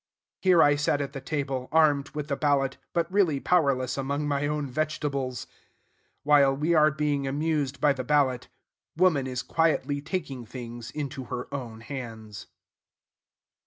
Here I sat at the table, armed with the ballot, but really powerless among my own vegetables. While we are being amused by the ballot, woman is quietly taking things into her own hands.